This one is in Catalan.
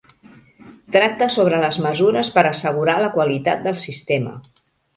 Tracta sobre les mesures per a assegurar la qualitat del Sistema.